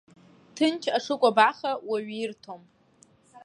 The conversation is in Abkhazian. Ҭынч аҽыкәабаха уаҩ ирҭом.